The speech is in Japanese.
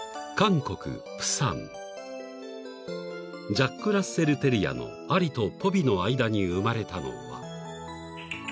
［ジャック・ラッセル・テリアのアリとポビの間に生まれたのは］